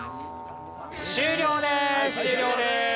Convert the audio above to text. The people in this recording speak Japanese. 終了です。